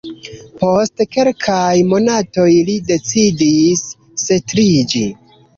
Post kelkaj monatoj li decidis setliĝi.